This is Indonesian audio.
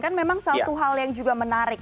kan memang satu hal yang juga menarik